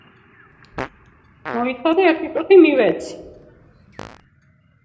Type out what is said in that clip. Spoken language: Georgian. გიგინეიშვილი შეისწავლის ქალის სასქესო ორგანოების კიბოს, ექსპერიმენტულად აქვს გამოკვლეული სამშობიარო აქტის მექანიზმი.